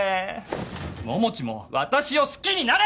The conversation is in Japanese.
桃地も私を好きになれ！